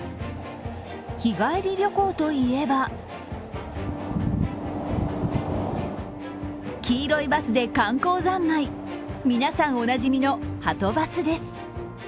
日帰り旅行といえば黄色いバスで観光ざんまい、皆さんおなじみのはとバスです。